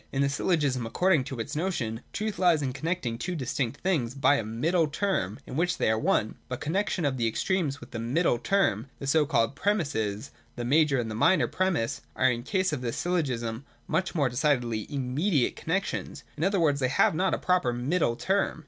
In the syllogism, according to its notion, truth lies in connecting two distinct things by a Middle Term in which they are one. But connexions of the extremes with the Middle Term (the so called premisses, the major and the minor premiss) are in the case of this syllogism much more decidedly immediate connexions. In other words, the}' have not a proper Middle Term.